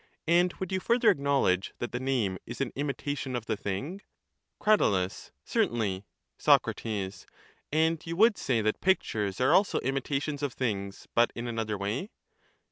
And would you further acknowledge that the name is an imitation of the thing? Crat. Certainly. Soc. And you would say that pictures are also imitations of things, but in another way?